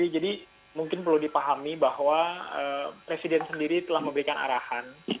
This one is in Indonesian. jadi mungkin perlu dipahami bahwa presiden sendiri telah memberikan arahan